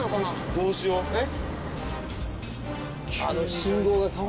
どうしようえっ？